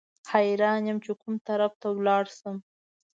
حیران یم چې کوم طرف ته ولاړ شم.